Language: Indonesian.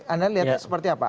anda lihat seperti apa